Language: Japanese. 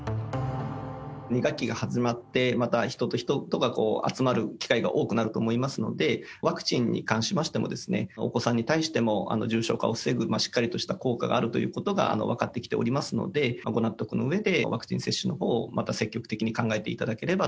２学期が始まって、また人と人とが集まる機会が多くなると思いますので、ワクチンに関しましても、お子さんに対しても重症化を防ぐ、しっかりとした効果があるということが分かってきておりますので、ご納得のうえでワクチン接種のほうを積極的に考えていただければ。